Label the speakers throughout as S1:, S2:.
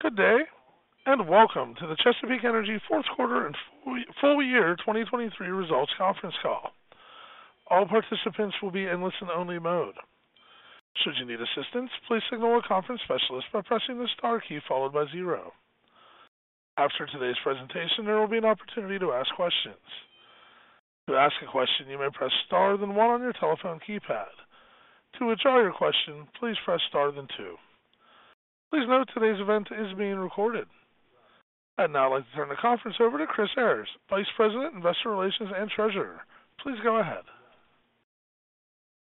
S1: Good day, and welcome to the Chesapeake Energy Fourth Quarter and Full-Year 2023 Results Conference Call. All participants will be in listen-only mode. Should you need assistance, please signal a conference specialist by pressing the star key followed by zero. After today's presentation, there will be an opportunity to ask questions. To ask a question, you may press star then one on your telephone keypad. To withdraw your question, please press star then two. Please note, today's event is being recorded. I'd now like to turn the conference over to Chris Ayres, Vice President, Investor Relations and Treasurer. Please go ahead.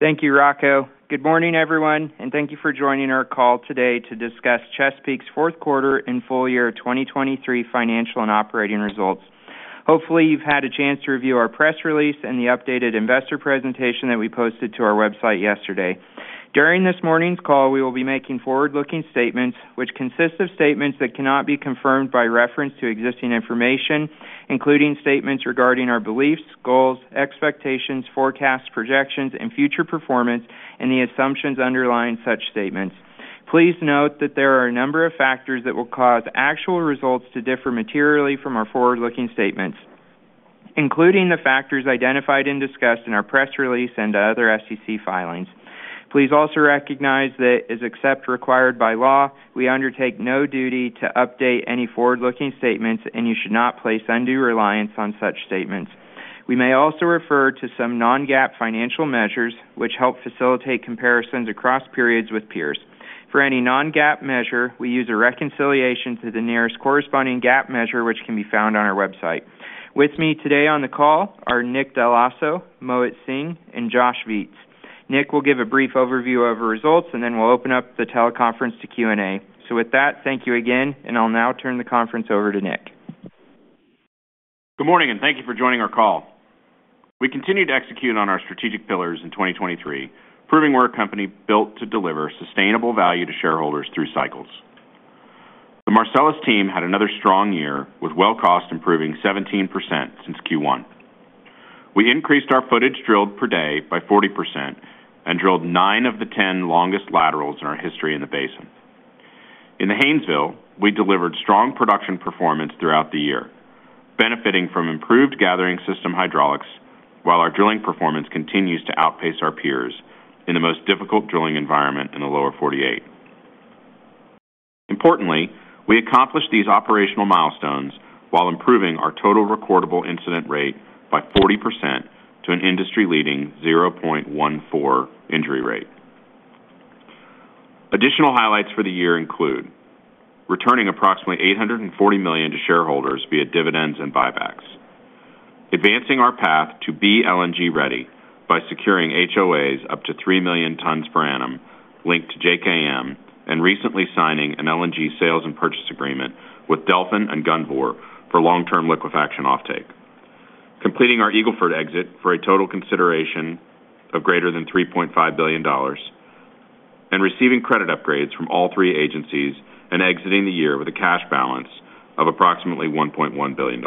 S2: Thank you, Rocco. Good morning, everyone, and thank you for joining our call today to discuss Chesapeake's Fourth Quarter and Full-Year 2023 Financial and Operating Results. Hopefully, you've had a chance to review our press release, and the updated investor presentation that we posted to our website yesterday. During this morning's call, we will be making forward-looking statements, which consist of statements that cannot be confirmed by reference to existing information, including statements regarding our beliefs, goals, expectations, forecasts, projections, and future performance, and the assumptions underlying such statements. Please note that there are a number of factors that will cause actual results to differ materially from our forward-looking statements, including the factors identified and discussed in our press release and other SEC filings. Please also recognize that, except as required by law, we undertake no duty to update any forward-looking statements, and you should not place undue reliance on such statements. We may also refer to some non-GAAP financial measures, which help facilitate comparisons across periods with peers. For any non-GAAP measure, we use a reconciliation to the nearest corresponding GAAP measure, which can be found on our website. With me today on the call are Nick Dell'Osso, Mohit Singh, and Josh Viets. Nick will give a brief overview of our results, and then we'll open up the teleconference to Q&A. With that, thank you again, and I'll now turn the conference over to Nick.
S3: Good morning, and thank you for joining our call. We continued to execute on our strategic pillars in 2023, proving we're a company built to deliver sustainable value to shareholders through cycles. The Marcellus team had another strong year, with well cost improving 17% since Q1. We increased our footage drilled per day by 40%, and drilled nine of the 10 longest laterals in our history in the basin. In the Haynesville, we delivered strong production performance throughout the year, benefiting from improved gathering system hydraulics, while our drilling performance continues to outpace our peers in the most difficult drilling environment in the lower 48. Importantly, we accomplished these operational milestones, while improving our total recordable incident rate by 40% to an industry-leading 0.14 injury rate. Additional highlights for the year include, returning approximately $840 million to shareholders via dividends and buybacks, advancing our path to be LNG ready by securing HOAs up to 3 million t per annum linked to JKM, and recently signing an LNG sales and purchase agreement with Delfin and Golar for long-term liquefaction offtake. Completing our Eagle Ford exit for a total consideration of greater than $3.5 billion, and receiving credit upgrades from all three agencies and exiting the year with a cash balance of approximately $1.1 billion.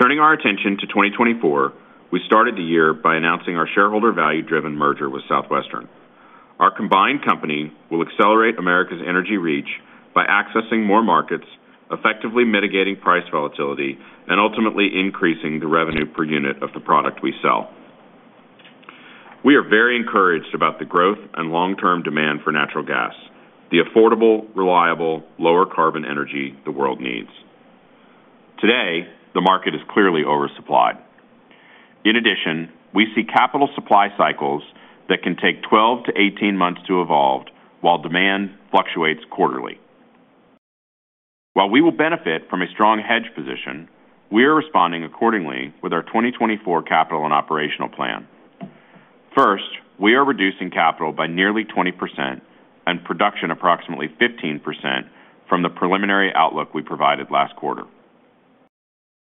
S3: Turning our attention to 2024, we started the year by announcing our shareholder value-driven merger with Southwestern. Our combined company will accelerate America's energy reach by accessing more markets, effectively mitigating price volatility, and ultimately increasing the revenue per unit of the product we sell. We are very encouraged about the growth and long-term demand for natural gas, the affordable, reliable, lower carbon energy the world needs. Today, the market is clearly oversupplied. In addition, we see capital supply cycles that can take 12-18 months to evolve, while demand fluctuates quarterly. While we will benefit from a strong hedge position, we are responding accordingly with our 2024 capital and operational plan. First, we are reducing capital by nearly 20%, and production approximately 15% from the preliminary outlook we provided last quarter.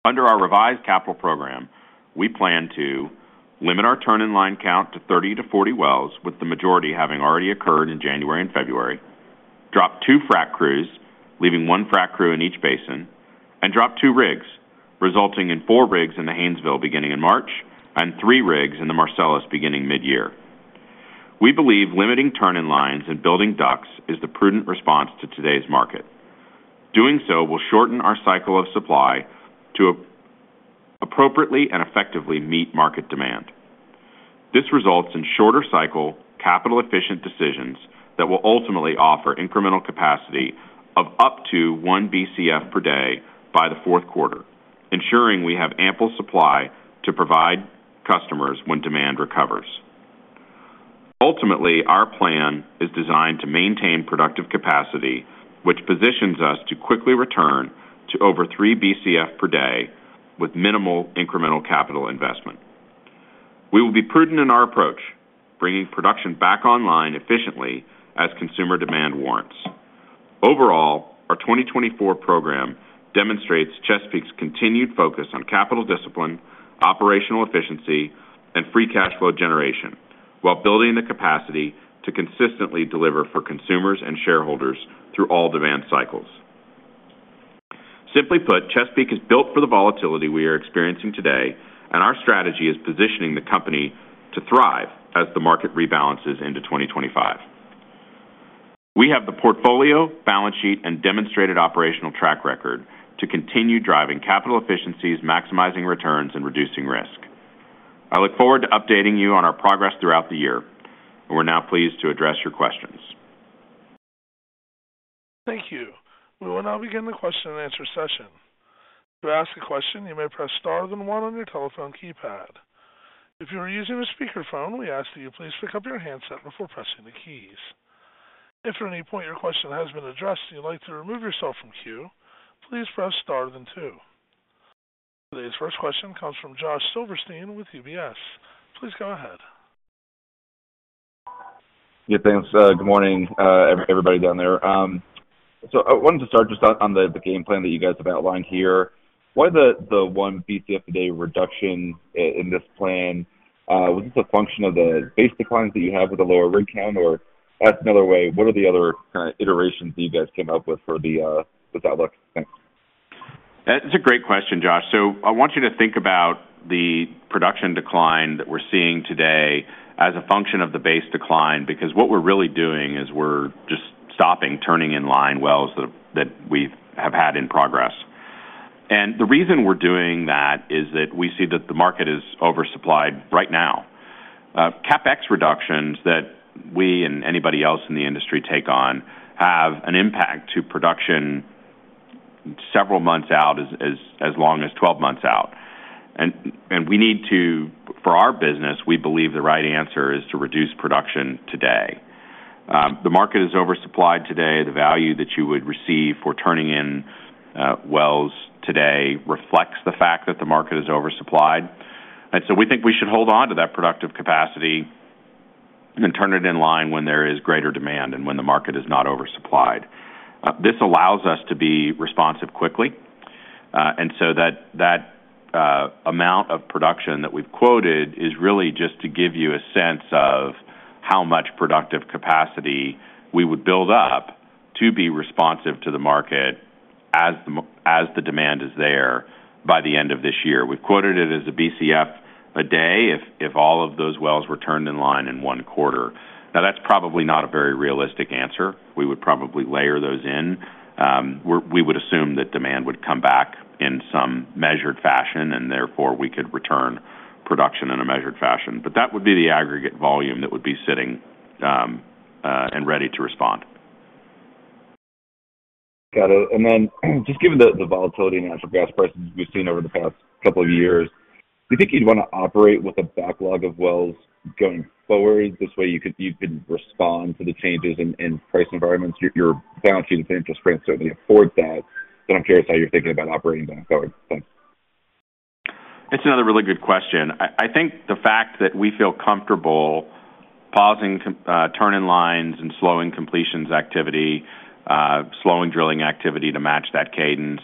S3: Under our revised capital program, we plan to limit our turn-in-line count to 30-40 wells, with the majority having already occurred in January and February, drop two frac crews, leaving one frac crew in each basin, and drop two rigs, resulting in four rigs in the Haynesville beginning in March and three rigs in the Marcellus beginning mid-year. We believe limiting turn-in-lines and building DUCs is the prudent response to today's market. Doing so will shorten our cycle of supply to appropriately and effectively meet market demand. This results in shorter cycle, capital-efficient decisions that will ultimately offer incremental capacity of up to 1 Bcf per day by the fourth quarter, ensuring we have ample supply to provide customers when demand recovers. Ultimately, our plan is designed to maintain productive capacity, which positions us to quickly return to over 3 Bcf per day with minimal incremental capital investment. We will be prudent in our approach, bringing production back online efficiently as consumer demand warrants. Overall, our 2024 program demonstrates Chesapeake's continued focus on capital discipline, operational efficiency, and free cash flow generation, while building the capacity to consistently deliver for consumers and shareholders through all demand cycles. Simply put, Chesapeake is built for the volatility we are experiencing today, and our strategy is positioning the company to thrive as the market rebalances into 2025. We have the portfolio, balance sheet, and demonstrated operational track record to continue driving capital efficiencies, maximizing returns and reducing risk. I look forward to updating you on our progress throughout the year, and we're now pleased to address your questions.
S1: Thank you. We will now begin the question-and-answer session. To ask a question, you may press star then one on your telephone keypad. If you are using a speakerphone, we ask that you please pick up your handset before pressing the keys. If at any point your question has been addressed and you'd like to remove yourself from queue, please press star then two. Today's first question comes from Josh Silverstein with UBS. Please go ahead.
S4: Yeah, thanks. Good morning, everybody down there. I wanted to start just on the game plan that you guys have outlined here. Why the 1 Bcf a day reduction in this plan? Was this a function of the base declines that you have with the lower rig count? Or asked another way, what are the other current iterations you guys came up with for the outlook? Thanks.
S3: That is a great question, Josh. I want you to think about the production decline that we're seeing today as a function of the base decline, because what we're really doing is we're just stopping turning in line wells that we've had in progress. The reason we're doing that is that we see that the market is oversupplied right now. CapEx reductions that we and anybody else in the industry take on have an impact to production several months out, as long as 12 months out. For our business, we believe the right answer is to reduce production today. The market is oversupplied today. The value that you would receive for turning in wells today reflects the fact that the market is oversupplied. We think we should hold on to that productive capacity, and turn it in line when there is greater demand and when the market is not oversupplied. This allows us to be responsive quickly. That amount of production that we've quoted is really just to give you a sense of how much productive capacity we would build up, to be responsive to the market as the demand is there by the end of this year. We've quoted it as a Bcf a day, if all of those wells were turned in line in one quarter. Now, that's probably not a very realistic answer. We would probably layer those in. We would assume that demand would come back in some measured fashion, and therefore, we could return production in a measured fashion. That would be the aggregate volume that would be sitting, and ready to respond.
S4: Got it. Then, just given the volatility in natural gas prices we've seen over the past couple of years, do you think you'd want to operate with a backlog of wells going forward? This way, you could respond to the changes in price environments. Your balance sheet and interest rates certainly afford that, but I'm curious how you're thinking about operating going forward. Thanks.
S3: It's another really good question. I think the fact that we feel comfortable pausing turning lines and slowing completions activity, slowing drilling activity to match that cadence,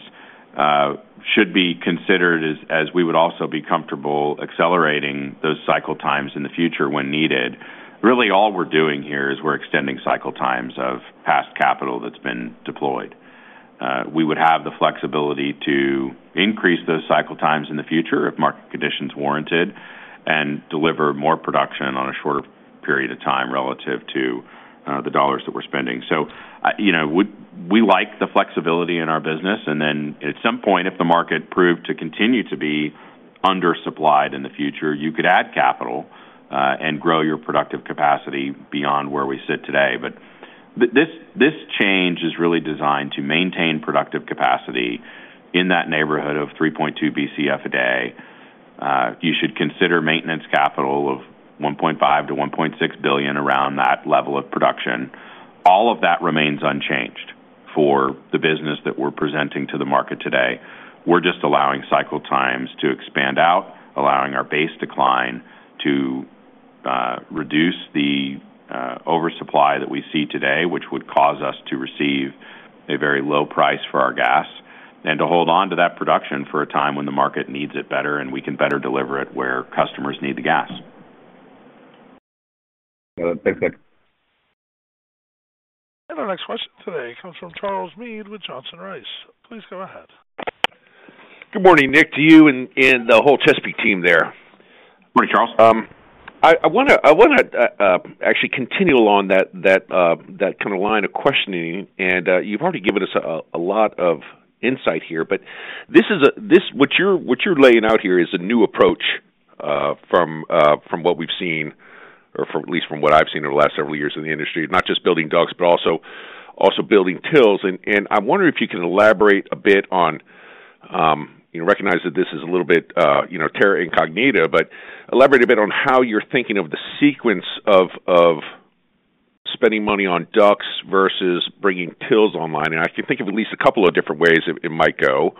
S3: should be considered as we would also be comfortable accelerating those cycle times in the future when needed. Really, all we're doing here is we're extending cycle times of past capital that's been deployed. We would have the flexibility to increase those cycle times in the future if market conditions warranted, and deliver more production on a shorter period of time relative to the dollars that we're spending. You know, we like the flexibility in our business, and then at some point, if the market proved to continue to be undersupplied in the future, you could add capital and grow your productive capacity beyond where we sit today. This change is really designed to maintain productive capacity in that neighborhood of 3.2 Bcf a day. You should consider maintenance capital of $1.5 billion-$1.6 billion around that level of production. All of that remains unchanged for the business that we're presenting to the market today. We're just allowing cycle times to expand out, allowing our base decline to reduce the oversupply that we see today, which would cause us to receive a very low price for our gas and to hold on to that production for a time when the market needs it better, and we can better deliver it where customers need the gas.
S4: All right. Thank you.
S1: Our next question today comes from Charles Meade with Johnson Rice. Please go ahead.
S5: Good morning, Nick to you and the whole Chesapeake team there.
S3: Morning, Charles.
S5: I want to actually continue along that kind of line of questioning. You've already given us a lot of insight here, but what you're laying out here is a new approach, from what we've seen or at least from what I've seen over the last several years in the industry, not just building DUCs, but also building TILs. I'm wondering if you can elaborate a bit on, you know, recognize that this is a little bit, you know, terra incognita, but elaborate a bit on how you're thinking of the sequence of spending money on DUCs versus bringing TILs online. I can think of at least a couple of different ways it might go.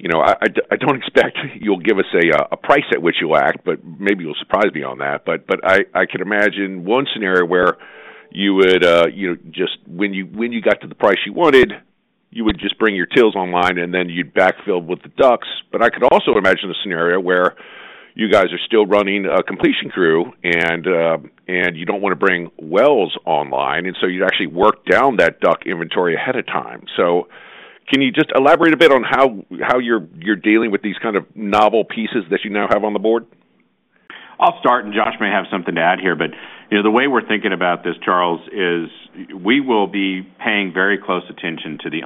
S5: You know, I don't expect you'll give us a price at which you'll act, but maybe you'll surprise me on that. I can imagine one scenario where you would, you know,, just when you got to the price you wanted, you would just bring your TILs online and then you'd backfill with the DUCs. I could also imagine a scenario where you guys are still running a completion crew, and you don't want to bring wells online and so you'd actually work down that DUC inventory ahead of time. Can you just elaborate a bit on how you're dealing with these kind of novel pieces that you now have on the board?
S3: I'll start, and Josh may have something to add here, but you know, the way we're thinking about this, Charles, is we will be paying very close attention to the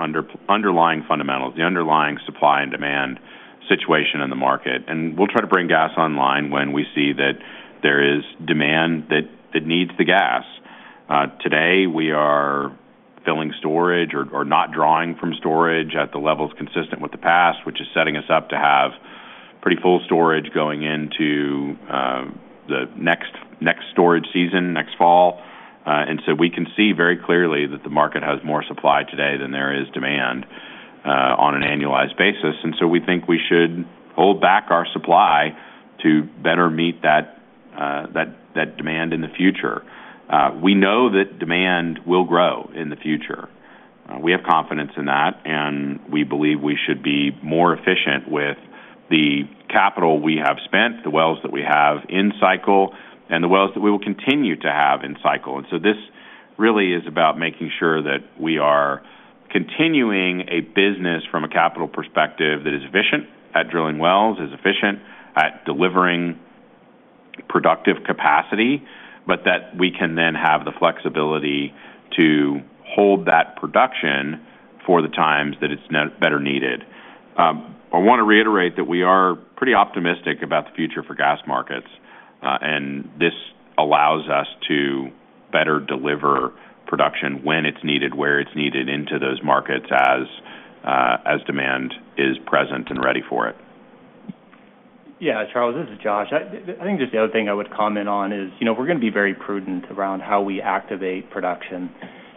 S3: underlying fundamentals, the underlying supply and demand situation in the market. We'll try to bring gas online when we see that there is demand that needs the gas. Today, we are filling storage or not drawing from storage at the levels consistent with the past, which is setting us up to have pretty full storage going into the next storage season, next fall. We can see very clearly that the market has more supply today than there is demand on an annualized basis, and so we think we should hold back our supply to better meet that demand in the future. We know that demand will grow in the future. We have confidence in that, and we believe we should be more efficient with the capital we have spent, the wells that we have in cycle and the wells that we will continue to have in cycle. This really is about making sure that we are continuing a business from a capital perspective that is efficient at drilling wells, is efficient at delivering productive capacity, but that we can then have the flexibility to hold that production for the times that it's better needed. I want to reiterate that we are pretty optimistic about the future for gas markets, and this allows us to better deliver production when it's needed, where it's needed, into those markets as demand is present and ready for it.
S6: Yeah. Charles, this is Josh. I think just the other thing I would comment on is, you know, we're going to be very prudent around how we activate production.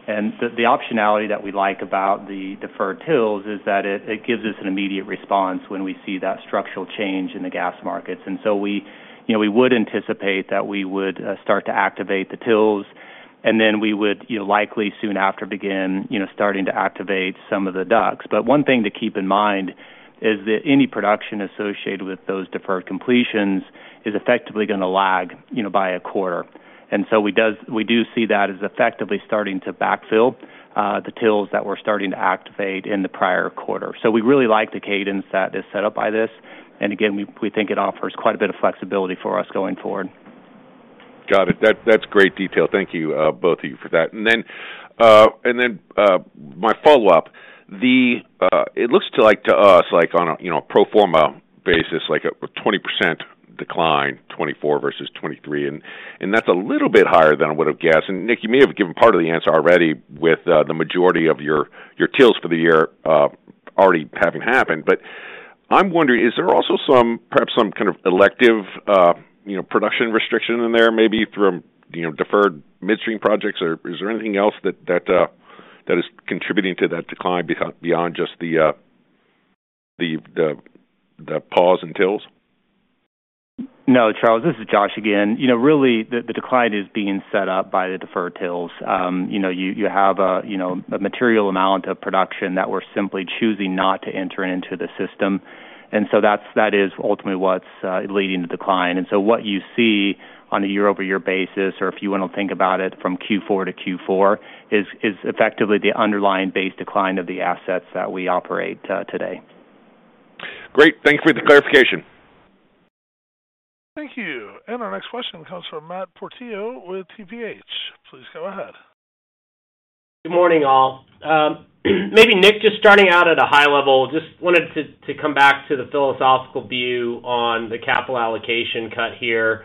S6: The optionality that we like about the deferred TILs is that it gives us an immediate response when we see that structural change in the gas markets. You know, we would anticipate that we would start to activate the TILs, and then we would, you know, likely soon after begin, you know, starting to activate some of the DUCs. One thing to keep in mind is that any production associated with those deferred completions is effectively going to lag, you know, by a quarter. We do see that as effectively starting to backfill the TILs that we're starting to activate in the prior quarter. We really like the cadence that is set up by this, and again, we think it offers quite a bit of flexibility for us going forward.
S5: Got it. That's great detail. Thank you both of you for that. Then, my follow-up, it looks to us like, on a, you know, pro forma basis, like a 20% decline, 2024 versus 2023, and that's a little bit higher than I would have guessed. Nick, you may have given part of the answer already with the majority of your TILs for the year already having happened. I'm wondering, is there also perhaps some kind of elective, you know, production restriction in there, maybe from, you know, deferred midstream projects, or is there anything else that is contributing to that decline beyond just the pause in TILs?
S6: No, Charles, this is Josh again. You know, really, the decline is being set up by the deferred TILs. You know, you have a material amount of production that we're simply choosing not to enter into the system, and so that is ultimately what's leading the decline. What you see on a year-over-year basis or if you want to think about it from Q4 to Q4, is effectively the underlying base decline of the assets that we operate today.
S5: Great. Thank you for the clarification.
S1: Thank you. Our next question comes from Matt Portillo with TPH. Please go ahead.
S7: Good morning, all. Maybe, Nick, just starting out at a high level, just wanted to come back to the philosophical view on the capital allocation cut here.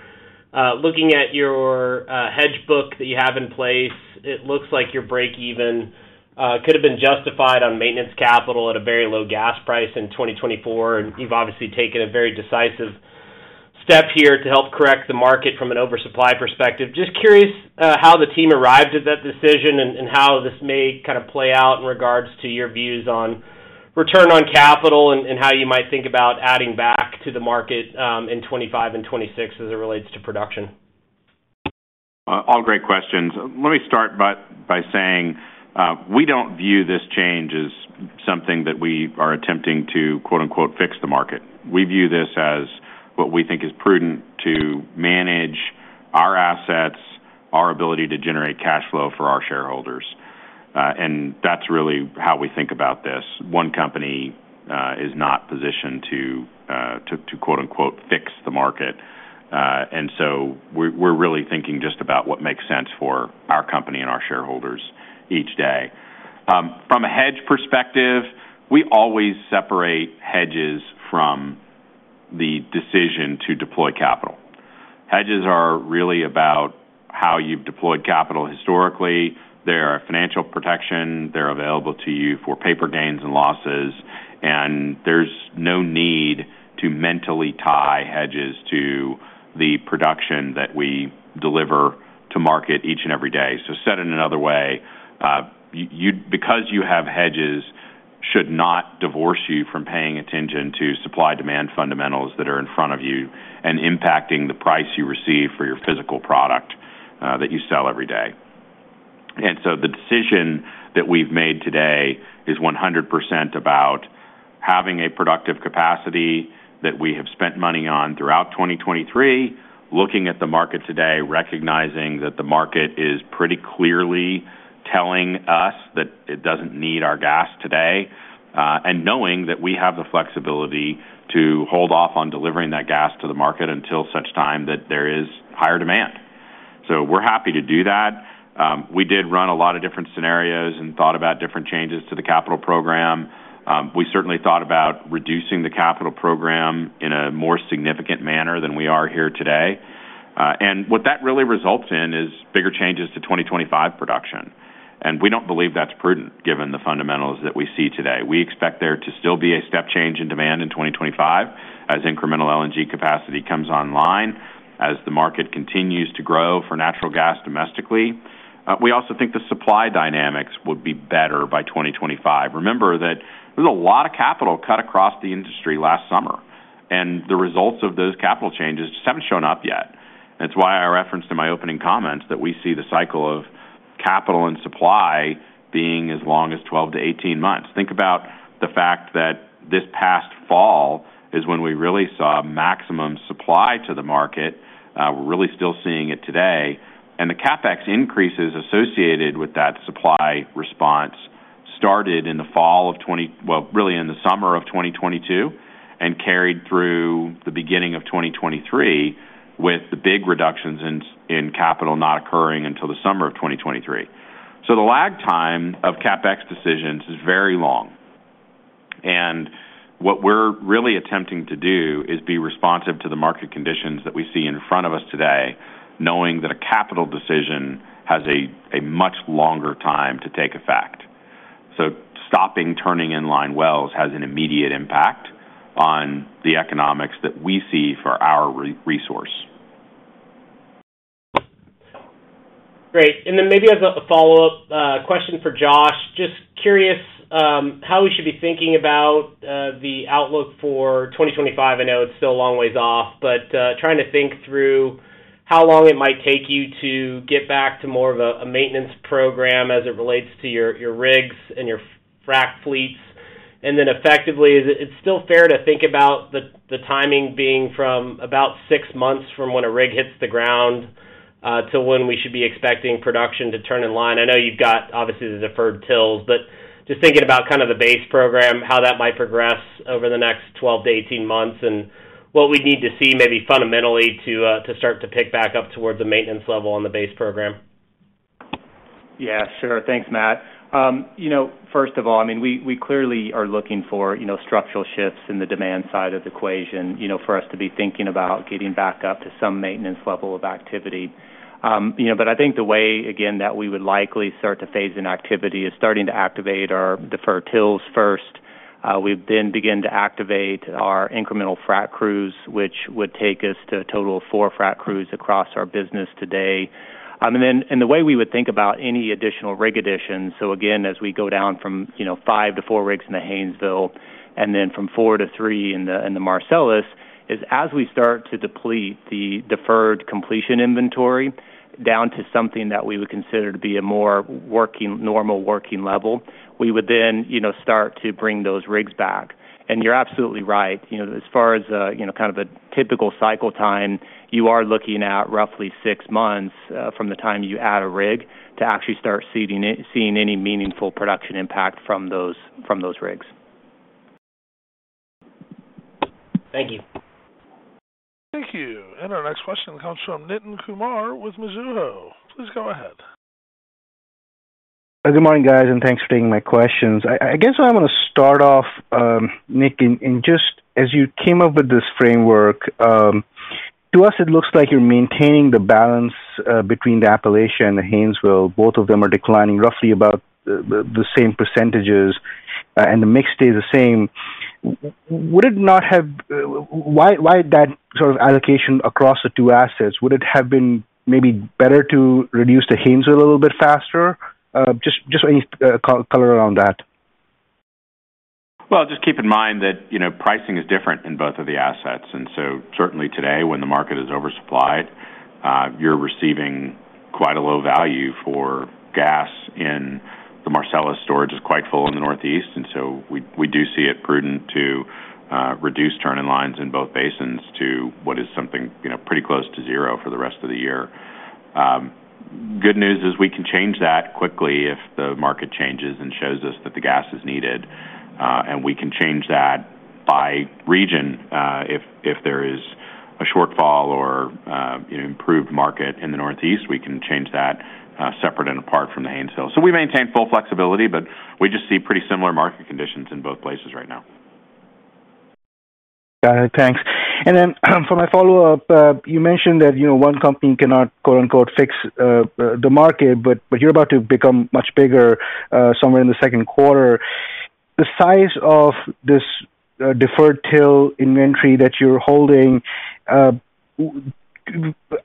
S7: Looking at your hedge book that you have in place, it looks like your break even could have been justified on maintenance capital at a very low gas price in 2024. You've obviously taken a very decisive step here to help correct the market from an oversupply perspective. Just curious how the team arrived at that decision and how this may kind of play out in regards to your views on return on capital, and how you might think about adding back to the market in 2025 and 2026 as it relates to production.
S3: All great questions. Let me start by saying, we don't view this change as something that we are attempting to, "fix the market." We view this as what we think is prudent to manage our assets, our ability to generate cash flow for our shareholders and that's really how we think about this. One company is not positioned to, "fix the market." We're really thinking just about what makes sense for our company and our shareholders each day. From a hedge perspective, we always separate hedges from the decision to deploy capital. Hedges are really about how you've deployed capital historically. They're a financial protection.
S7: They're available to you for paper gains and losses, and there's no need to mentally tie hedges to the production that we deliver to market each and every day. Said in another way, because you have hedges should not divorce you from paying attention to supply-demand fundamentals that are in front of you and impacting the price you receive for your physical product, that you sell every day. The decision that we've made today is 100% about having a productive capacity that we have spent money on throughout 2023. Looking at the market today, recognizing that the market is pretty clearly telling us that it doesn't need our gas today, and knowing that we have the flexibility to hold off on delivering that gas to the market until such time that there is higher demand.
S3: We're happy to do that. We did run a lot of different scenarios and thought about different changes to the capital program. We certainly thought about reducing the capital program in a more significant manner than we are here today. What that really results in is bigger changes to 2025 production, and we don't believe that's prudent given the fundamentals that we see today. We expect there to still be a step change in demand in 2025 as incremental LNG capacity comes online, as the market continues to grow for natural gas domestically. We also think the supply dynamics would be better by 2025. Remember that there's a lot of capital cut across the industry last summer, and the results of those capital changes just haven't shown up yet. That's why I referenced in my opening comments that we see the cycle of capital and supply being as long as 12-18 months. Think about the fact that this past fall is when we really saw maximum supply to the market. We're really still seeing it today. The CapEx increases associated with that supply response started, well, really, in the summer of 2022, and carried through the beginning of 2023, with the big reductions in capital not occurring until the summer of 2023. The lag time of CapEx decisions is very long, and what we're really attempting to do is be responsive to the market conditions that we see in front of us today, knowing that a capital decision has a much longer time to take effect. Stopping turn-in-line wells has an immediate impact on the economics that we see for our resource.
S7: Great. Then maybe as a follow-up question for Josh, just curious how we should be thinking about the outlook for 2025. I know it's still a long ways off, but trying to think through how long it might take you to get back to more of a maintenance program as it relates to your rigs and you frac fleets. Then effectively, is it still fair to think about the timing being from about six months from when a rig hits the ground to when we should be expecting production to turn in line. I know you've got obviously the deferred TILs, but just thinking about kind of the base program, how that might progress over the next 12-18 months, and what we'd need to see maybe fundamentally to start to pick back up towards the maintenance level on the base program.
S6: Yeah, sure. Thanks, Matt. You know, first of all, I mean, we clearly are looking for, you know, structural shifts in the demand side of the equation, you know, for us to be thinking about getting back up to some maintenance level of activity. You know, but I think the way, again that we would likely start to phase in activity is starting to activate our deferred TILs first. We've then begin to activate our incremental frac crews, which would take us to a total of four frac crews across our business today. Then, and the way we would think about any additional rig additions, so again, as we go down from, you know, 5 to 4 rigs in the Haynesville, and then from four to three in the Marcellus, is as we start to deplete the deferred completion inventory, down to something that we would consider to be a more workng, normal working level, we would then, you know, start to bring those rigs back. You're absolutely right, you know, as far as, you know, kind of the typical cycle time, you are looking at roughly six months from the time you add a rig to actually start seeing any meaningful production impact from those rigs.
S7: Thank you.
S1: Thank you. Our next question comes from Nitin Kumar with Mizuho. Please go ahead.
S8: Good morning, guys, and thanks for taking my questions. I guess where I'm going to start off, Nick, and just as you came up with this framework, to us, it looks like you're maintaining the balance between the Appalachia and the Haynesville. Both of them are declining roughly about the same percentages, and the mix stays the same. Why that sort of allocation across the two assets? Would it have been maybe better to reduce the Haynesville a little bit faster? Just any color around that.
S3: Well, just keep in mind that, you know, pricing is different in both of the assets, and so certainly today, when the market is oversupplied, you're receiving quite a low value for gas in the Marcellus. Storage is quite full in the Northeast, and so we do see it prudent to reduce turn-in-lines in both basins to what is something, you know, pretty close to zero for the rest of the year. Good news is we can change that quickly if the market changes and shows us that the gas is needed, and we can change that by region. If there is a shortfall or improved market in the Northeast, we can change that separate and apart from the Haynesville. We maintain full flexibility, but we just see pretty similar market conditions in both places right now.
S8: Got it. Thanks. Then for my follow-up, you mentioned that, you know, one company cannot, "fix the market," but you're about to become much bigger, somewhere in the second quarter. The size of this deferred TIL inventory that you're holding,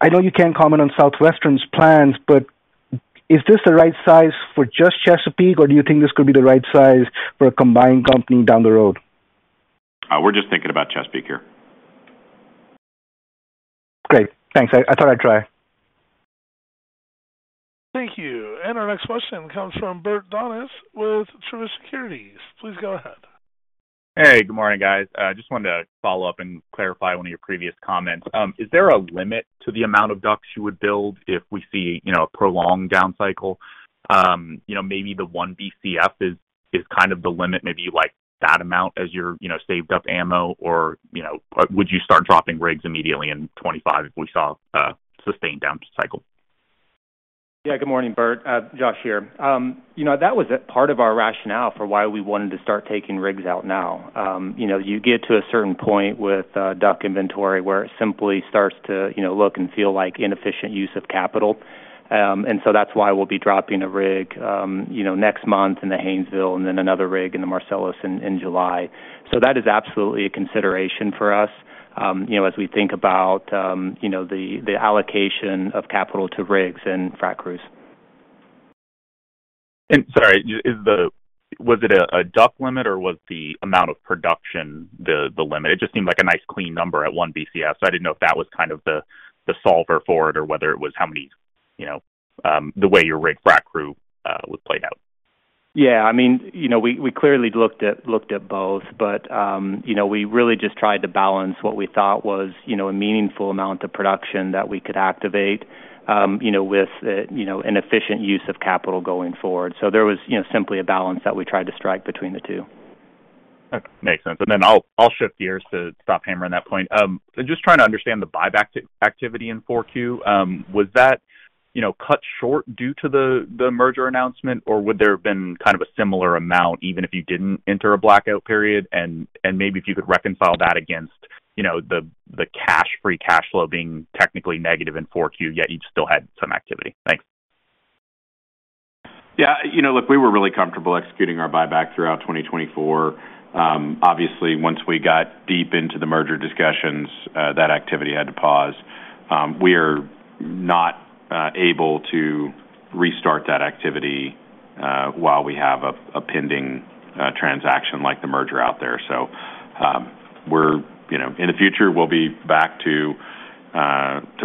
S8: I know you can't comment on Southwestern's plans, but is this the right size for just Chesapeake or do you think this could be the right size for a combined company down the road?
S3: We're just thinking about Chesapeake here.
S8: Great, thanks. I thought I'd try.
S1: Thank you. And our next question comes from Bert Donnes with Truist Securities. Please go ahead.
S9: Hey, good morning, guys. I just wanted to follow up and clarify one of your previous comments. Is there a limit to the amount of DUCs you would build if we see, you know, a prolonged down cycle? You know, maybe the 1 Bcf is kind of the limit, maybe like that amount as your, you know, saved up ammo, or you know, would you start dropping rigs immediately in 25 if we saw a sustained down cycle?
S6: Yeah. Good morning, Bert. Josh here. You know, that was a part of our rationale for why we wanted to start taking rigs out now. You know, you get to a certain point with DUC inventory where it simply starts to, you know, look and feel like inefficient use of capital. That's why we'll be dropping a rig, you know, next month in the Haynesville and then another rig in the Marcellus in July. That is absolutely a consideration for us, you know, as we think about, you know, the allocation of capital to rigs and frac crews.
S9: Sorry, was it a DUC limit, or was the amount of production the limit? It just seemed like a nice, clean number at 1 Bcf, so I didn't know if that was kind of the solver for it or whether it wasyou know, the way your rig frac crew was played out.
S6: Yeah, I mean, you know, we clearly looked at, looked at both, but you know, we really just tried to balance what we thought was, you know, a meaningful amount of production that we could activate, you know, with, you know, an efficient use of capital going forward. There was, you know, simply a balance that we tried to strike between the two.
S9: Okay, makes sense. Then I'll shift gears to stop hammering that point, so just trying to understand the buyback activity in 4Q. Was that, you know, cut short due to the merger announcement, or would there have been kind of a similar amount, even if you didn't enter a blackout period? Maybe if you could reconcile that against, you know, the free cash flow being technically negative in 4Q, yet you still had some activity. Thanks.
S3: Yeah. You know, look, we were really comfortable executing our buyback throughout 2024. Obviously, once we got deep into the merger discussions, that activity had to pause. We are not able to restart that activity while we have a pending transaction like the merger out there. We're, you know, in the future, we'll be back to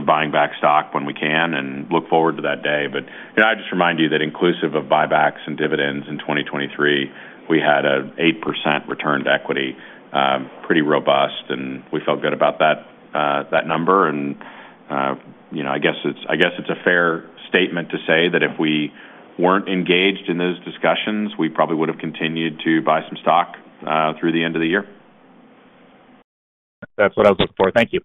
S3: buying back stock when we can and look forward to that day. You know, I'll just remind you that inclusive of buybacks and dividends in 2023, we had an 8% return to equity. Pretty robust, and we felt good about that number. You know, I guess it's a fair statement to say that if we weren't engaged in those discussions, we probably would have continued to buy some stock through the end of the year.
S9: That's what I was looking for. Thank you.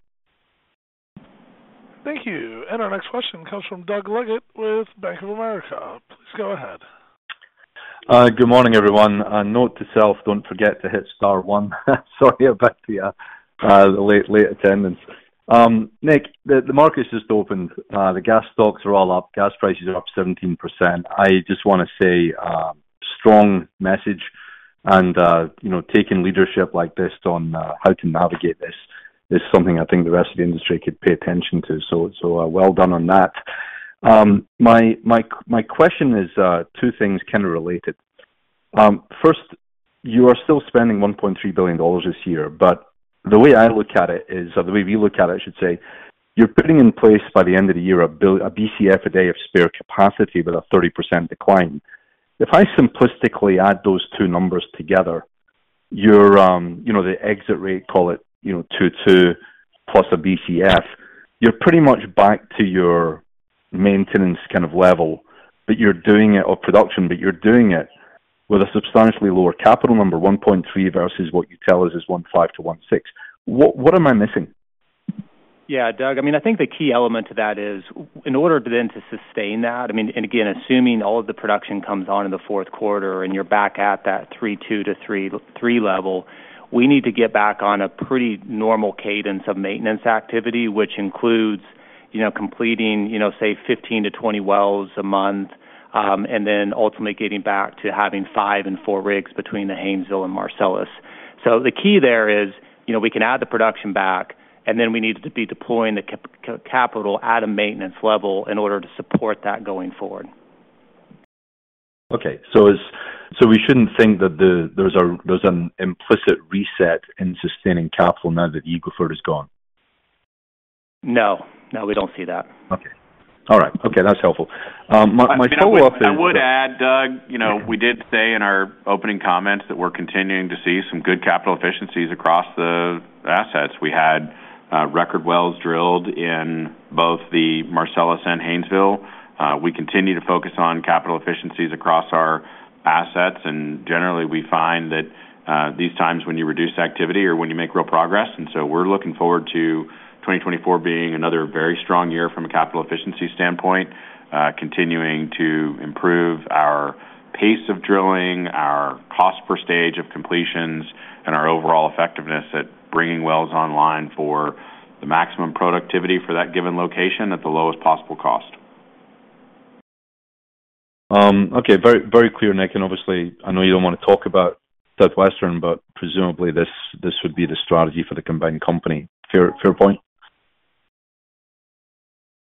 S1: Thank you. Our next question comes from Doug Leggate, with Bank of America. Please go ahead.
S10: Good morning, everyone. A note to self, don't forget to hit star one. Sorry about the late attendance. Nick, the markets just opened, the gas stocks are all up, gas prices are up 17%. I just want to say, strong message and, you know, taking leadership like this on how to navigate, this is something I think the rest of the industry could pay attention to. Well done on that. My question is two things, kind of related. First, you are still spending $1.3 billion this year, but the way I look at it is, or the way we look at it, I should say, you're putting in place by the end of the year, a Bcf a day of spare capacity with a 30% decline. If I simplistically add those two numbers together, you know, the exit rate, call it, you know, 2 plus a Bcf, you're pretty much back to your maintenance kind of level, but you're doing it or production, but you're doing it with a substantially lower capital, number 1.3 versus what you tell us is 1.5-1.6. What am I missing?
S6: Yeah, Doug, I mean, I think the key element to that is, in order then to sustain that, and again, assuming all of the production comes on in the fourth quarter and you're back at that 3.2-3.3 level, we need to get back on a pretty normal cadence of maintenance activity, which includes, you know, completing, you know, say, 15-20 wells a month, and then ultimately getting back to having 5 and 4 rigs between the Haynesville and Marcellus. The key there is, you know, we can add the production back, and then we need to be deploying the capital at a maintenance level in order to support that going forward.
S10: Okay. We shouldn't think that there's an implicit reset in sustaining capital now that Eagle Ford is gone?
S6: No. No, we don't see that.
S10: Okay, all right. Okay, that's helpful.
S3: I would add, Doug, you know, we did say in our opening comments that we're continuing to see some good capital efficiencies across the assets. We had record wells drilled in both the Marcellus and Haynesville. We continue to focus on capital efficiencies across our assets, and generally, we find that these times when you reduce activity are when you make real progress. We're looking forward to 2024 being another very strong year from a capital efficiency standpoint, continuing to improve our pace of drilling, our cost per stage of completions, and our overall effectiveness at bringing wells online for the maximum productivity for that given location at the lowest possible cost.
S10: Okay, very, very clear, Nick. Obviously I know you don't want to talk about Southwestern, but presumably this would be the strategy for the combined company. Fair point?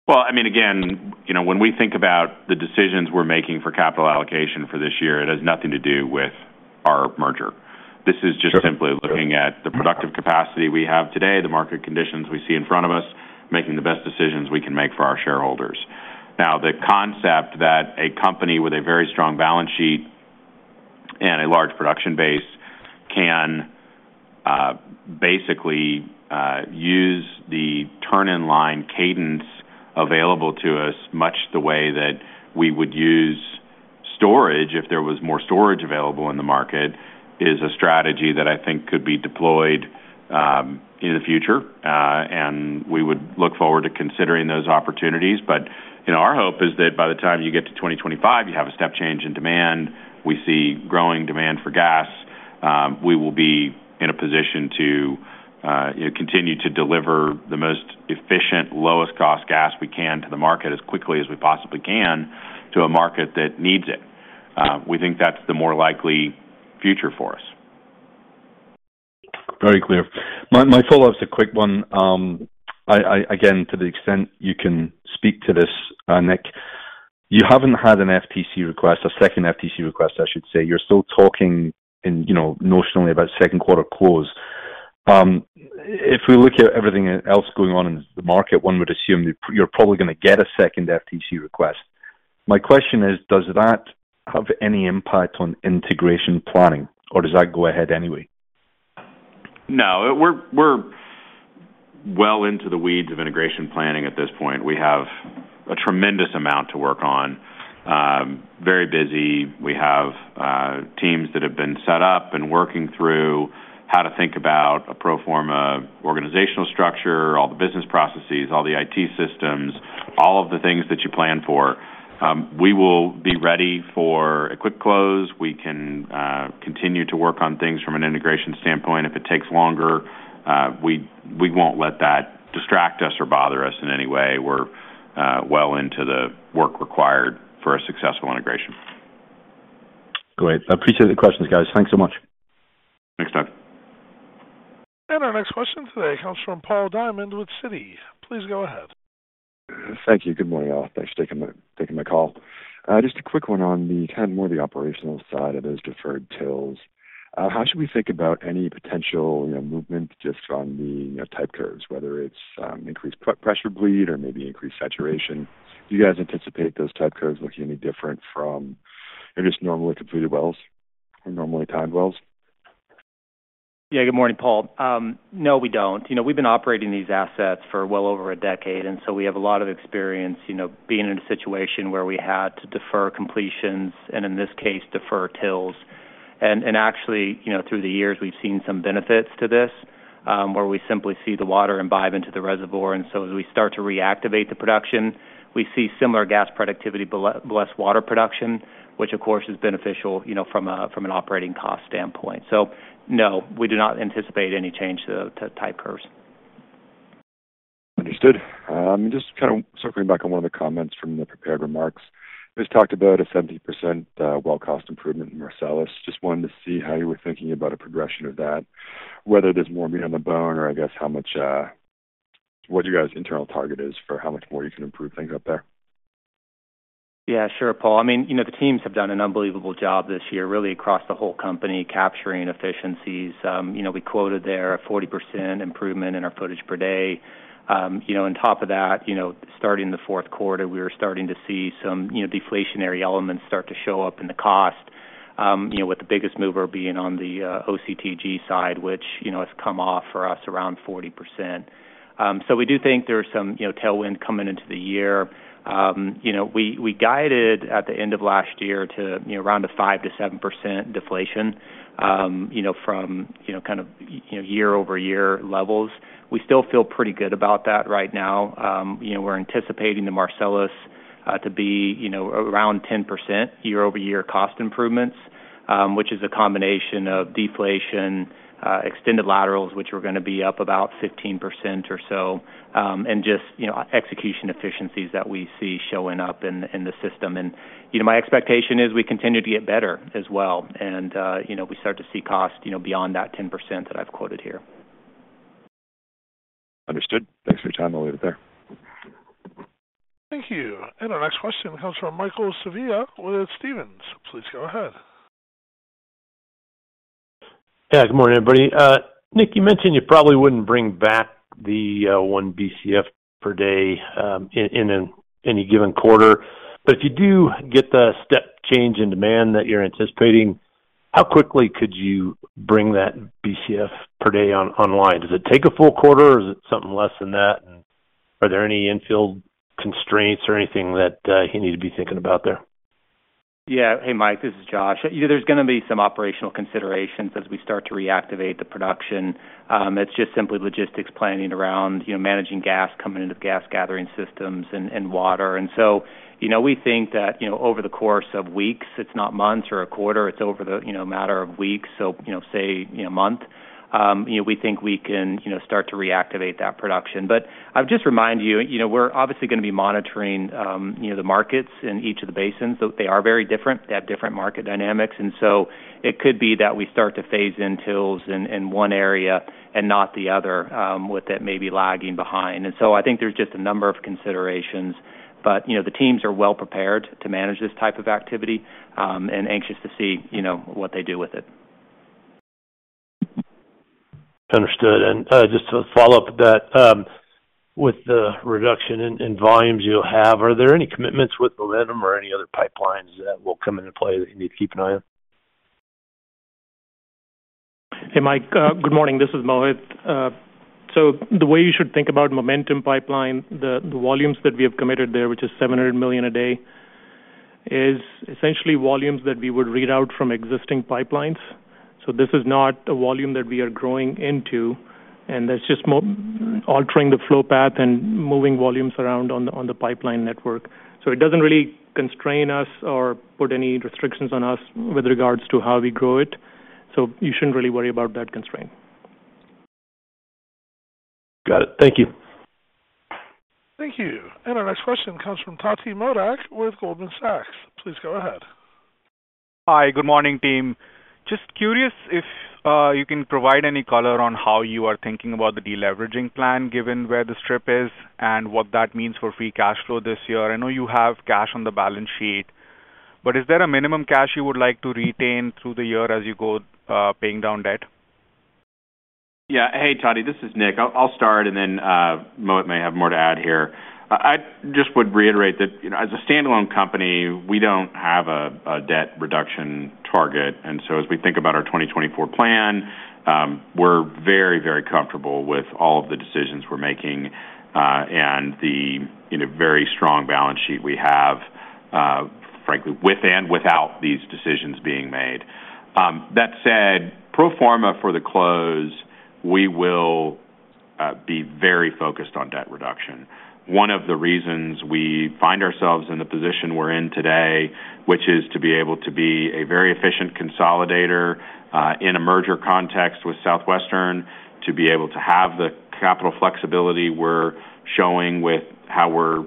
S3: Well, I mean, again, you know, when we think about the decisions we're making for capital allocation for this year, it has nothing to do with our merger. This is just simply looking at the productive capacity we have today, the market conditions we see in front of us, making the best decisions we can make for our shareholders. Now, the concept that a company with a very strong balance sheet and a large production base can basically use the turn-in-line cadence available to us, much the way that we would use storage if there was more storage available in the market, is a strategy that I think could be deployed in the future and we would look forward to considering those opportunities. You know, our hope is that by the time you get to 2025, you have a step change in demand. We see growing demand for gas, we will be in a position to, you know, continue to deliver the most efficient, lowest-cost gas we can to the market as quickly as we possibly can to a market that needs it. We think that's the more likely future for us.
S10: Very clear. My follow-up is a quick one. Again, to the extent you can speak to this, Nick, you haven't had an FTC request, a second FTC request, I should say. You're still talking, you know, notionally about second quarter close. If we look at everything else going on in the market, one would assume you're probably going to get a second FTC request. My question is, does that have any impact on integration planning, or does that go ahead anyway?
S3: No, we're well into the weeds of integration planning at this point. We have a tremendous amount to work on, very busy. We have teams that have been set up and working through how to think about a pro forma organizational structure, all the business processes, all the IT systems, all of the things that you plan for. We will be ready for a quick close. We can continue to work on things from an integration standpoint. If it takes longer, we won't let that distract us or bother us in any way. We're well into the work required for a successful integration.
S10: Great. I appreciate the questions, guys. Thanks so much.
S3: Thanks, Nick. Our next question today comes from Paul Diamond with Citi. Please go ahead.
S11: Thank you. Good morning, all. Thanks for taking my call. Just a quick one on the kind of more the operational side of those deferred TILs. How should we think about any potential, you know, movement just on the type curves, whether it's increased pre-pressure bleed or maybe increased saturation? Do you guys anticipate those type curves looking any different from, you know, just normally completed wells or normally timed wells?
S6: Yeah. Good morning, Paul. No, we don't. You know, we've been operating these assets for well over a decade, and so we have a lot of experience, you know, being in a situation where we had to defer completions and in this case, defer TILs. Actually, you know, through the years, we've seen some benefits to this, where we simply see the water imbibe into the reservoir. As we start to reactivate the production, we see similar gas productivity, but less water production, which of course is beneficial, you know, from an operating cost standpoint. No, we do not anticipate any change to type curves.
S11: Understood. Just kind of circling back on one of the comments from the prepared remarks. Just talked about a 70% well cost improvement in Marcellus. Just wanted to see how you were thinking about a progression of that, whether there's more meat on the bone, or I guess, what you guys' internal target is for how much more you can improve things out there?
S6: Yeah, sure, Paul. I mean, you know, the teams have done an unbelievable job this year, really across the whole company, capturing efficiencies. You know, we quoted there a 40% improvement in our footage per day. You know, on top of that, you know, starting the fourth quarter, we were starting to see some, you know, deflationary elements start to show up in the cost, you know, with the biggest mover being on the OCTG side, which, you know, has come off for us around 40%. We do think there are some, you know, tailwind coming into the year. You know, we guided at the end of last year to, you know, around a 5%-7% deflation, you know, from, you know, kind of year-over-year levels. We still feel pretty good about that right now. You know, we're anticipating the Marcellus to be, you know, around 10% year-over-year cost improvements, which is a combination of deflation, extended laterals which are going to be up about 15% or so, and just, you know, execution efficiencies that we see showing up in the system. You know, my expectation is we continue to get better as well, and you know, we start to see costs, you know, beyond that 10% that I've quoted here.
S11: Understood. Thanks for your time. I'll leave it there.
S1: Thank you. Our next question comes from Michael Scialla with Stephens. Please go ahead.
S12: Yeah. Good morning, everybody. Nick, you mentioned you probably wouldn't bring back the 1 Bcf per day in any given quarter. If you do get the step change in demand that you're anticipating, how quickly could you bring that 1 BCF per day online? Does it take a full quarter, or is it something less than that? Are there any infill constraints or anything that you need to be thinking about there?
S6: Yeah. Hey, Mike, this is Josh. You know, there's going to be some operational considerations as we start to reactivate the production. It's just simply logistics planning around, you know, managing gas, coming into gas gathering systems and water. You know, we think that, you know, over the course of weeks, it's not months or a quarter, it's over a, you know, matter of weeks, so, you know, say, you know, a month, you know, we think we can, you know, start to reactivate that production. I would just remind you, you know, we're obviously going to be monitoring, you know, the markets in each of the basins, so they are very different. They have different market dynamics, and so it could be that we start to phase in TILs in one area and not the other, with that maybe lagging behind. I think there's just a number of considerations. You know, the teams are well-prepared to manage this type of activity, and anxious to see, you know, what they do with it.
S12: Understood. Just to follow up that, with the reduction in volumes you'll have, are there any commitments with Millennium or any other pipelines that will come into play that you need to keep an eye on?
S13: Hey. Mike, good morning. This is Mohit. The way you should think about Millennium Pipeline, the volumes that we have committed there, which is 700 million a day, is essentially volumes that we would route out from existing pipelines. This is not a volume that we are growing into, and that's just more altering the flow path and moving volumes around on the pipeline network. It doesn't really constrain us or put any restrictions on us with regards to how we grow it, so you shouldn't really worry about that constraint.
S12: Got it. Thank you.
S1: Thank you. Our next question comes from Ati Modak with Goldman Sachs. Please go ahead.
S14: Hi, good morning, team. Just curious if you can provide any color on how you are thinking about the deleveraging plan, given where the strip is and what that means for free cash flow this year. I know you have cash on the balance sheet, but is there a minimum cash you would like to retain through the year as you go paying down debt?
S3: Yeah. Hey, Ati, this is Nick. I'll start, and then Mohit may have more to add here. I just would reiterate that, you know, as a standalone company, we don't have a debt reduction target. As we think about our 2024 plan, we're very, very comfortable with all of the decisions we're making and the very strong balance sheet we have frankly, with and without these decisions being made. That said, pro forma for the close, we will be very focused on debt reduction. One of the reasons we find ourselves in the position we're in today, which is to be able to be a very efficient consolidator, in a merger context with Southwestern, to be able to have the capital flexibility we're showing with how we're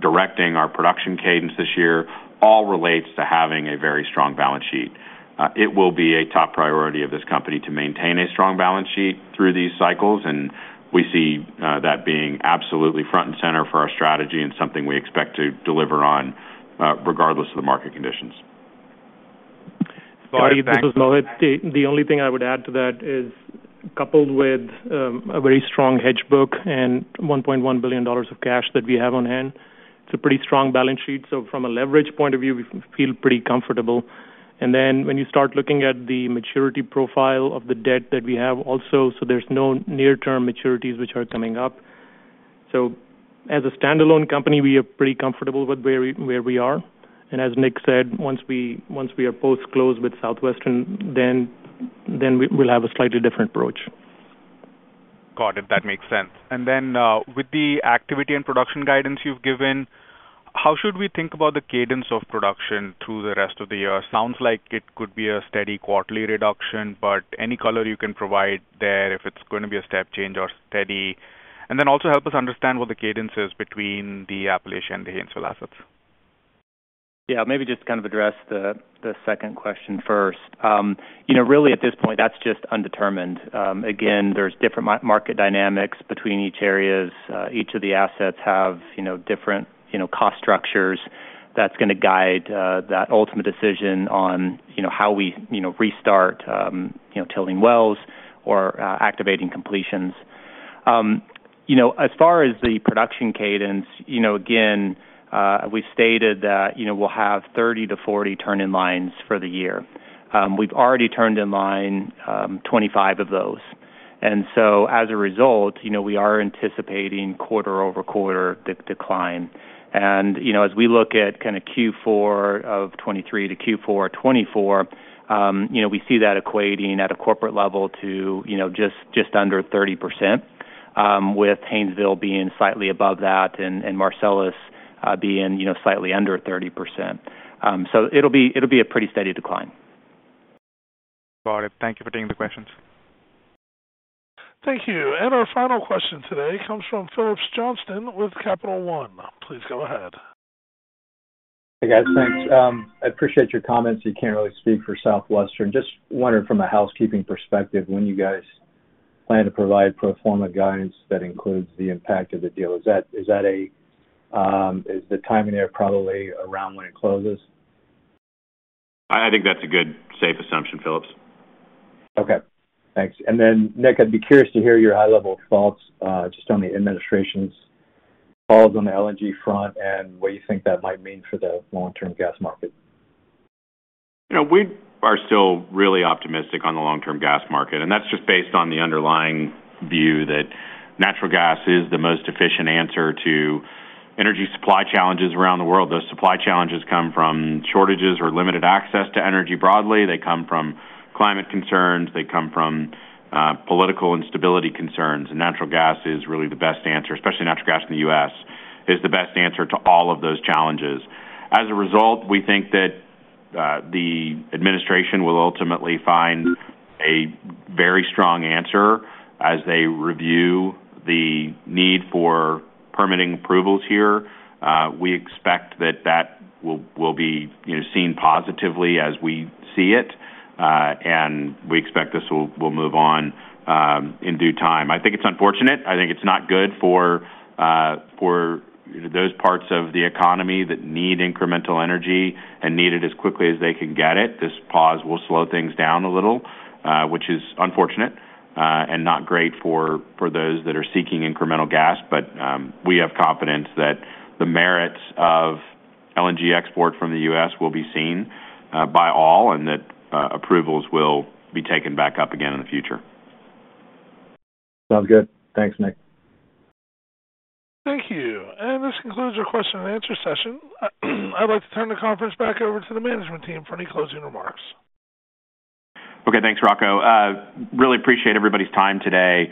S3: directing our production cadence this year, all relates to having a very strong balance sheet. It will be a top priority of this company to maintain a strong balance sheet through these cycles, and we see that being absolutely front and center for our strategy and something we expect to deliver on, regardless of the market conditions.
S14: Got it.
S13: This is Mohit. The only thing I would add to that is, coupled with a very strong hedge book and $1.1 billion of cash that we have on hand, it's a pretty strong balance sheet. From a leverage point of view, we feel pretty comfortable. Then, when you start looking at the maturity profile of the debt that we have also, so there's no near-term maturities which are coming up. As a standalone company, we are pretty comfortable with where we are. As Nick said, once we are post-close with Southwestern, then we'll have a slightly different approach.
S14: Got it, that makes sense. Then, with the activity and production guidance you've given, how should we think about the cadence of production through the rest of the year? Sounds like it could be a steady quarterly reduction, but any color you can provide there, if it's going to be a step change or steady? Then also help us understand what the cadence is between the Appalachian and the Haynesville assets.
S6: Yeah, maybe just kind of address the second question first. You know, really at this point, that's just undetermined. Again, there's different market dynamics between each areas. Each of the assets have, you know, different, you know, cost structures that's going to guide that ultimate decision on, you know, how we, you know, restart, you know, TIL wells or activating completions. You know, as far as the production cadence, you know, again, we've stated that, you know, we'll have 30-40 turn-in-lines for the year. We've already turned in line 25 of those. As a result, you know, we are anticipating quarter-over-quarter decline. You know, as we look at kind of Q4 2023 to Q4 2024, you know, we see that equating at a corporate level to, you know, just under 30%, with Haynesville being slightly above that and Marcellus being, you know, slightly under 30%. It'll be a pretty steady decline.
S14: Got it. Thank you for taking the questions.
S1: Thank you. Our final question today comes from Phillips Johnston with Capital One. Please go ahead.
S15: Hey, guys. Thanks, I appreciate your comments. You can't really speak for Southwestern. Just wondering, from a housekeeping perspective, when you guys plan to provide pro forma guidance that includes the impact of the deal. Is the timing there probably around when it closes?
S3: I think that's a good, safe assumption, Phillips.
S15: Okay. Thanks. Then Nick, I'd be curious to hear your high-level thoughts, just on the administration's calls on the LNG front and what you think that might mean for the long-term gas market.
S3: You know, we are still really optimistic on the long-term gas market, and that's just based on the underlying view that natural gas is the most efficient answer to energy supply challenges around the world. Those supply challenges come from shortages or limited access to energy broadly. They come from climate concerns, they come from political instability concerns, and natural gas is really the best answer, especially natural gas in the U.S., is the best answer to all of those challenges. As a result, we think that the administration will ultimately find a very strong answer as they review the need for permitting approvals here. We expect that that will be seen positively as we see it, and we expect this will move on in due time. I think it's unfortunate. I think it's not good for those parts of the economy that need incremental energy, and need it as quickly as they can get it. This pause will slow things down a little, which is unfortunate and not great for those that are seeking incremental gas. We have confidence that the merits of LNG export from the U.S. will be seen by all, and that approvals will be taken back up again in the future.
S15: Sounds good. Thanks, Nick.
S1: Thank you. This concludes our question-and-answer session. I'd like to turn the conference back over to the management team for any closing remarks.
S3: Okay. Thanks, Rocco. Really appreciate everybody's time today.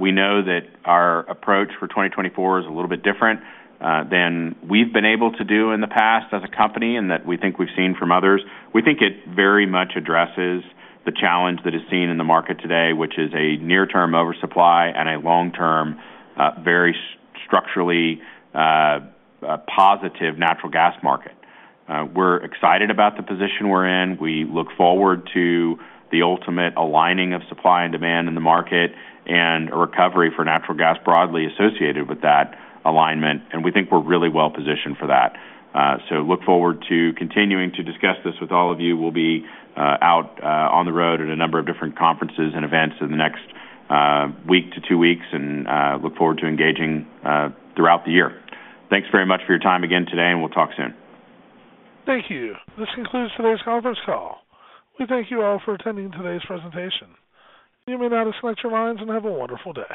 S3: We know that our approach for 2024 is a little bit different than we've been able to do in the past as a company, and that we think we've seen from others. We think it very much addresses the challenge that is seen in the market today, which is a near-term oversupply and a long-term, very structurally positive natural gas market. We're excited about the position we're in. We look forward to the ultimate aligning of supply and demand in the market, and a recovery for natural gas broadly associated with that alignment and we think we're really well positioned for that. Look forward to continuing to discuss this with all of you. We'll be out on the road at a number of different conferences and events in the next week to two weeks, and look forward to engaging throughout the year. Thanks very much for your time again today, and we'll talk soon.
S1: Thank you. This concludes today's conference call. We thank you all for attending today's presentation. You may now disconnect your lines, and have a wonderful day.